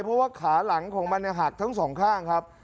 เพราะว่าขาหลังของมันหักทั้งสองข้างครับ